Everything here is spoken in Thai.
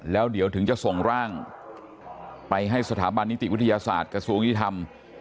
แล้วเดี๋ยวถึงจะส่งร่างไปให้สถาบันนิติวิทยาศาสตร์กระทรวงยุติธรรม